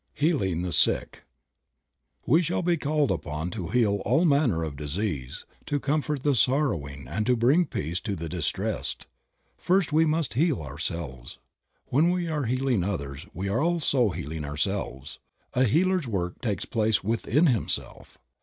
HEALING THE SICK. TTTE shall be called upon to heal all manner of disease, to comfort the sorrowing and to bring peace to the distressed. First we must heal ourselves. When we are healing others we are also healing ourselves. A healer's work takes place within himself.